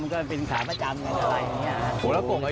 มันก็เป็นขาประจำอย่างไร